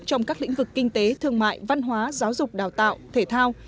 trong các lĩnh vực kinh tế thương mại văn hóa giáo dục đào tạo thể thao